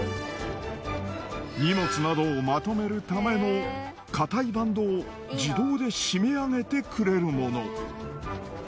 荷物などをまとめるための硬いバンドを自動で締め上げてくれるもの。